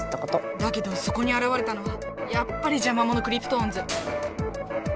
だけどそこにあらわれたのはやっぱりじゃまものクリプトオンズ。